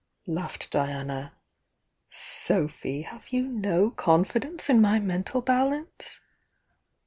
laughed Diana. "So phy have you no confidence in my mental balance?"